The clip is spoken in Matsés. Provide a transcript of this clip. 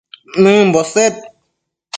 nëmbo sed